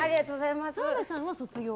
澤部さんは卒業を？